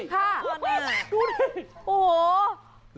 จริงค่ะดูนี่โอ้โห